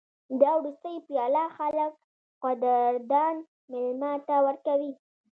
دا وروستۍ پیاله خلک قدردان مېلمه ته ورکوي.